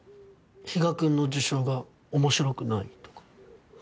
比嘉くんの受賞が面白くないとか。